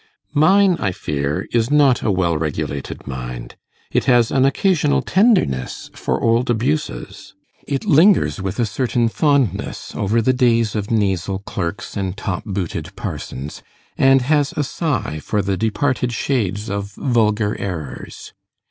Mine, I fear, is not a well regulated mind: it has an occasional tenderness for old abuses; it lingers with a certain fondness over the days of nasal clerks and top booted parsons, and has a sigh for the departed shades of vulgar errors.